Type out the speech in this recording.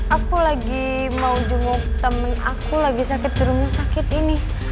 aku lagi mau jempol temen aku lagi sakit di rumah sakit ini